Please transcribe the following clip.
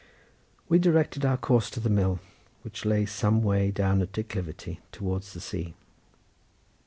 We directed our course to the mill, which lay some way down a declivity towards the sea.